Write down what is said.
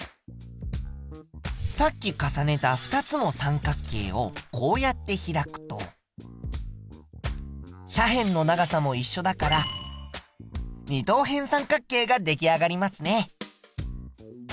さっき重ねた２つの三角形をこうやって開くと斜辺の長さもいっしょだから二等辺三角形が出来上がりますね。